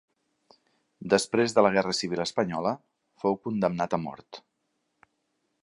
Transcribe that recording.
Després de la guerra civil espanyola, fou condemnat a mort.